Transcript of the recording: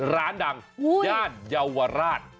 ร้านดังย่านเยาวราช